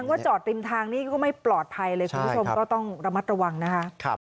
ว่าจอดริมทางนี่ก็ไม่ปลอดภัยเลยคุณผู้ชมก็ต้องระมัดระวังนะคะ